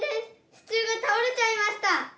支柱が倒れちゃいました！